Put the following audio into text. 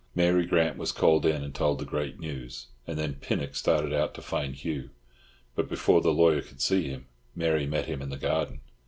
Mary Grant was called in and told the great news, and then Pinnock started out to find Hugh. But before the lawyer could see him, Mary met him in the garden.